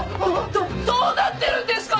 どどうなってるんですか！？